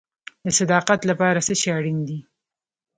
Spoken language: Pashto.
د صداقت لپاره څه شی اړین دی؟